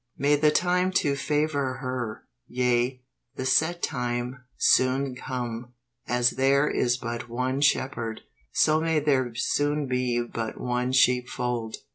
May the time to favor her, yea, the set time, soon come. As there is but one Shepherd, so may there soon be but one sheep fold.